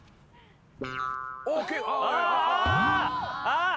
ああ！